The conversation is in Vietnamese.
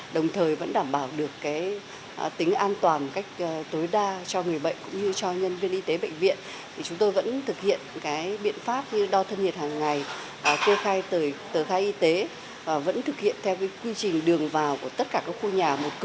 đồng thời vẫn đảm bảo được tính an toàn